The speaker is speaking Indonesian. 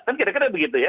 kan kira kira begitu ya